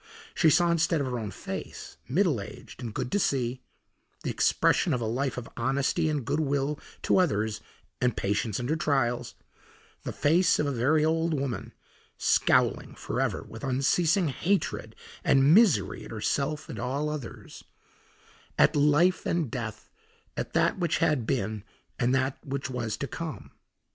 She saw instead of her own face, middle aged and good to see, the expression of a life of honesty and good will to others and patience under trials, the face of a very old woman scowling forever with unceasing hatred and misery at herself and all others, at life, and death, at that which had been and that which was to come.